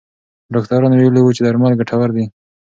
ډاکټران ویلي وو چې درمل ګټور دي.